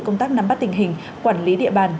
công tác nắm bắt tình hình quản lý địa bàn